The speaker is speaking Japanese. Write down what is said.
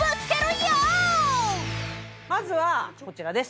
まずはこちらです。